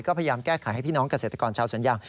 ก็พยายามแก้ไขให้พี่น้องเกษตรกรชาวสวนยาง